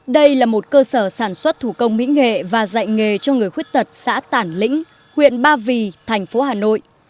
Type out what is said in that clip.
đây là một cơ sở sản xuất thủ công mỹ nghệ và dạy nghề cho người khuyết tật xã tản lĩnh huyện ba vì thành phố hà nội